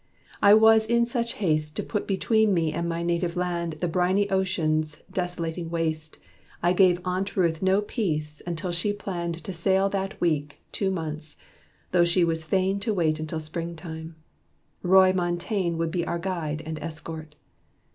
I was in such haste To put between me and my native land The briny ocean's desolating waste, I gave Aunt Ruth no peace, until she planned To sail that week, two months: though she was fain To wait until the Springtime. Roy Montaine Would be our guide and escort.